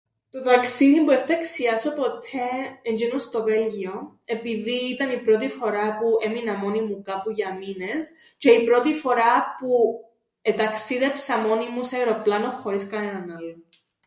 Το ταξίδιν που εν θα ξιάσω ποττέ εν' τζ̌είνον στο Βέλγιον, επειδή ήταν η πρώτη φορά που έμεινα μόνη μου κάπου για μήνες, τζ̌αι η πρώτη φορά που εταξίδεψα μόνη μου σε αεροπλάνον χωρίς κανέναν άλλον.